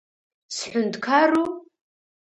Сҳәынҭқару?